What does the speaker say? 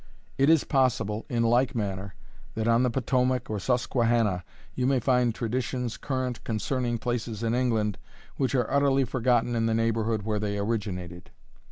It is possible, in like manner, that on the Potomac or Susquehannah, you may find traditions current concerning places in England, which are utterly forgotten in the neighbourhood where they originated.